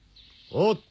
おっと！